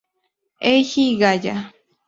Eiji Gaya